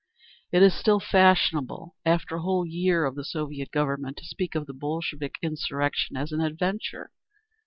It is still fashionable, after a whole year of the Soviet Government, to speak of the Bolshevik insurrection as an "adventure."